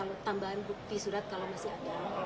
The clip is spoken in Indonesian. kalau tambahan bukti surat kalau masih ada